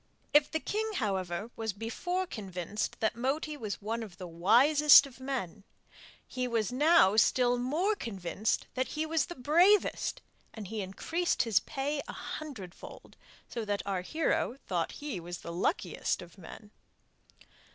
If the king, however, was before convinced that Moti was one of the wisest of men, he was now still more convinced that he was the bravest, and he increased his pay a hundredfold, so that our hero thought that he was the luckiest of men.